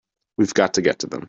We've got to get to them!